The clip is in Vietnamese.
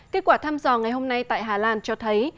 kết quả thăm dò ngày hôm nay tại hà lan cho thấy